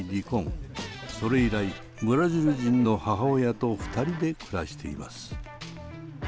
それ以来ブラジル人の母親と２人で暮らしています。